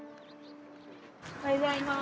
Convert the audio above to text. おはようございます。